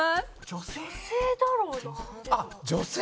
女性だろうなでも。